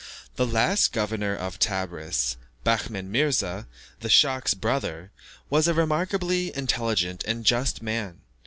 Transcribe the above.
The last governor of Tebris, Behmen Mirza, the schach's brother, was a remarkably intelligent and just man.